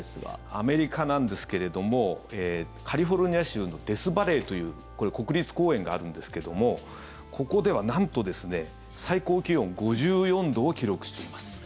アメリカなんですけれどもカリフォルニア州のデスバレーという国立公園があるんですけどもここでは、なんと最高気温５４度を記録しています。